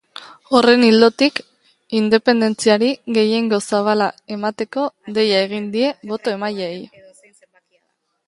Horren ildotik, independentziari gehiengo zabala emateko deia egin die boto-emaileei.